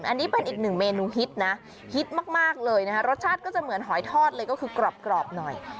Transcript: อันนี้เป็นอีกหนึ่งเมนูฮิตนะฮิตมากเลยนะคะรสชาติก็จะเหมือนหอยทอดเลยก็คือกรอบหน่อย